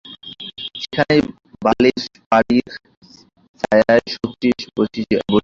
সেইখানে বালির পাড়ির ছায়ায় শচীশ বসিয়া।